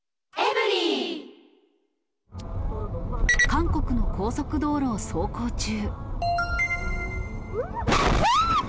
韓国の高速道路を走行中。